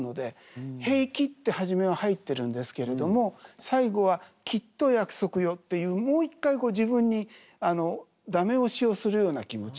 「平気」って初めは入ってるんですけれども最後は「きっと約束よ」っていうもう一回自分に駄目押しをするような気持ち。